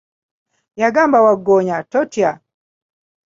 Yagamba Waggoonya, totya.